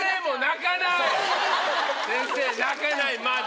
先生泣かないまだ！